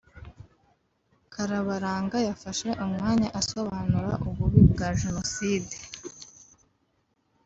Karabaranga yafashe umwanya asobanura ububi bwa jenoside